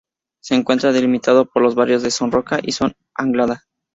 Se encuentra delimitado por los barrios de Son Roca y Son Anglada.